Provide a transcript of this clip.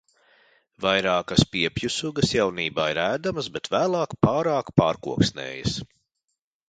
Vairākas piepju sugas jaunībā ir ēdamas, bet vēlāk pārāk pārkoksnējas.